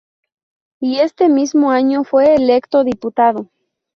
Y este mismo año fue electo Diputado.